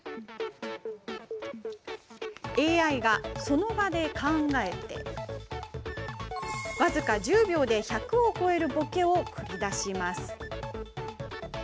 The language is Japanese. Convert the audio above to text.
ＡＩが、その場で考えて僅か１０秒で１００を超えるぼけを繰り出します。